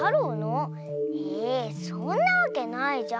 えそんなわけないじゃん。